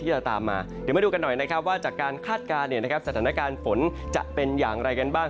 จะตามมาเดี๋ยวมาดูกันหน่อยนะครับว่าจากการคาดการณ์สถานการณ์ฝนจะเป็นอย่างไรกันบ้าง